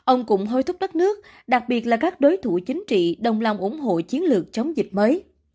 ông cũng hối thúc đất nước đặc biệt là các đối thủ chính trị đồng lòng ủng hộ chiến lược chống dịch mới